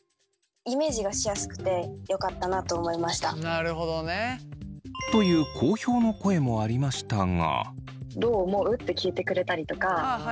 なるほどね。という好評の声もありましたが。